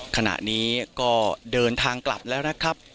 ขณะนี้ก็เดินทางกลับแล้วนะครับ